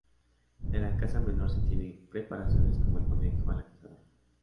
De la caza menor se tienen preparaciones como el "conejo a la cazadora".